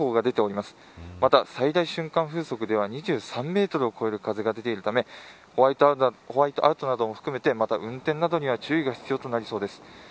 また、最大瞬間風速では２３メートルを超える風が出ているためホワイトアウトなども含めて運転などには注意が必要となりそうです。